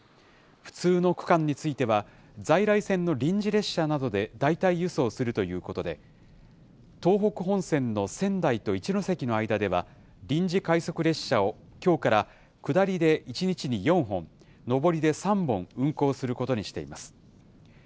不通の区間については、在来線の臨時列車などで代替輸送するということで、東北本線の仙台と一ノ関の間では、臨時快速列車をきょうから下りで１日に４本、上りで３本運行することにしています。